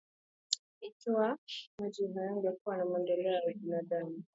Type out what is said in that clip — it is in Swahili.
Ikiwa maji hayangekuwa na maendeleo ya ubinadamu